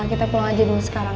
kita pulang aja dulu sekarang